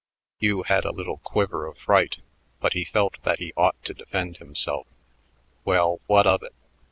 Hugh had a little quiver of fright, but he felt that he ought to defend himself. "Well, what of it?"